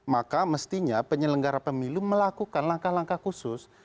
maka mestinya penyelenggara pemilu melakukan langkah langkah khusus